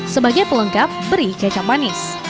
sebagai pelengkap beri kecap manis